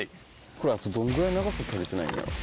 これあとどんぐらい長さ足りてないんやろ？